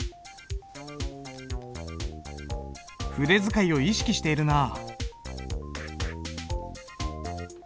筆使いを意識しているなあ。